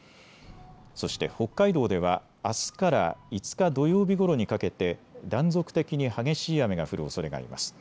そして北海道ではあすから５日土曜日ごろにかけて断続的に激しい雨が降るおそれがあります。